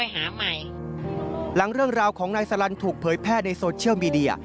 หลังเรื่องราวของนายสลันถูกเผยแพร่ในโซเชียลมีเดีย